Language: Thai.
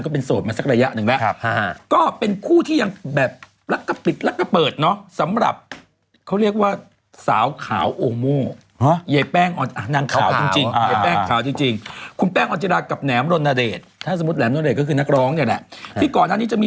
ไปดังนี้ก็ถือร่มเหมือนกัน